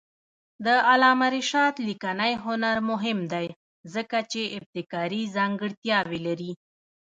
د علامه رشاد لیکنی هنر مهم دی ځکه چې ابتکاري ځانګړتیاوې لري.